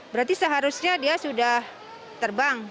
berarti seharusnya dia sudah terbang